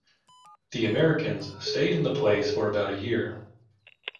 The Americans stayed in the place for about a year.